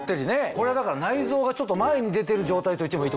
これはだから内臓がちょっと前に出てる状態といってもいいってこと？